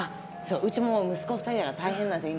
うちも息子２人で大変なんです、今。